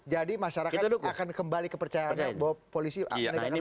jadi masyarakat akan kembali ke percayaan bahwa polisi akan mendukung secara adil